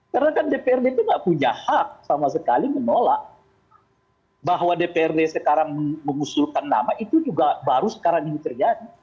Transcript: karena kan dprd itu tidak punya hak sama sekali menolak bahwa dprd sekarang mengusulkan nama itu juga baru sekarang ini terjadi